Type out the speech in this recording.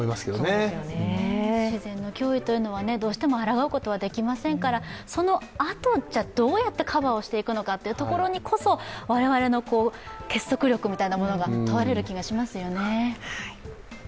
自然の脅威っていうのはどうしてもあらがうことができませんからそのあとじゃあ、どうやってカバーしていくのかというところにこそ我々の結束力みたいなものが問われる気がしますよね。